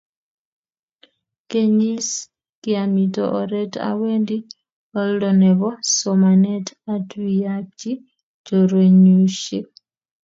KenyisKiamito oret awendi oldo nebo somanet atuyiechi chorwenyuiek